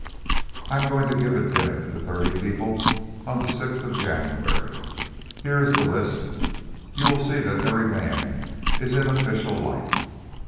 "I am going to give a dinner to thirty people on the sixth of January. Here is the list. You will see that every man is in official life.